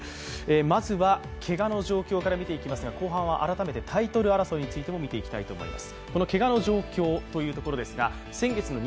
まずはけがの状況から見ていきますが後半は改めてタイトル争いについても見ていきます。